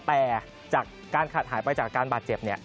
แต่จากการขาดหายไปจากการบาดเจ็บเนี่ย